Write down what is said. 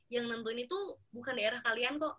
yang nentuin itu bukan daerah kalian kok